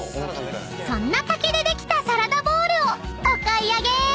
［そんな竹でできたサラダボウルをお買い上げ］